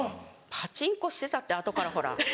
パチンコしてたって後からほら。